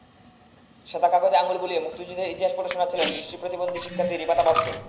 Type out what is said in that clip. সাদা কাগজে আঙুল বুলিয়ে মুক্তিযুদ্ধের ইতিহাস পড়ে শোনাচ্ছিলেন দৃষ্টিপ্রতিবন্ধী শিক্ষার্থী রিপা তাবাসসুম।